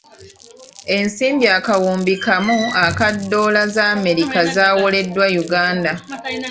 Ensimbi akawumbi kamu aka ddoola z'Amerika zaawoleddwa Uganda.